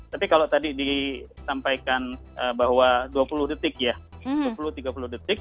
tapi kalau tadi disampaikan bahwa dua puluh detik ya sepuluh tiga puluh detik